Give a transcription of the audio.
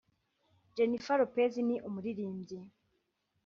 Jennifer Lopez ni umuririmbyi